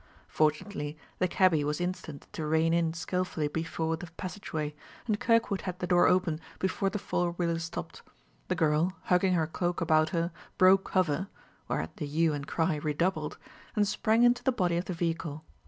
Fortunately, the cabby was instant to rein in skilfully before the passageway, and Kirkwood had the door open before the four wheeler stopped. The girl, hugging her cloak about her, broke cover (whereat the hue and cry redoubled), and sprang into the body of the vehicle.